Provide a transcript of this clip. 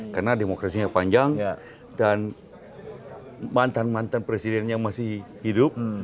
karena demokrasinya panjang dan mantan mantan presidennya masih hidup